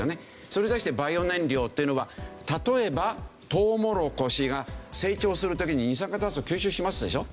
それに対してバイオ燃料っていうのは例えばトウモロコシが成長する時に二酸化炭素を吸収しますでしょ。